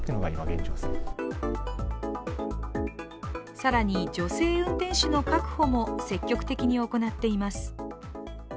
更に、女性運転手の確保も積極的に行っています。